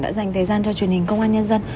đã dành thời gian cho truyền hình công an nhân dân